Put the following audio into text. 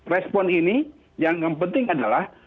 respon ini yang penting adalah